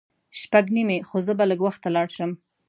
شپږ نیمې خو زه به لږ وخته لاړ شم.